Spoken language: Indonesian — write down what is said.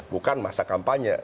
bukan masa kampanye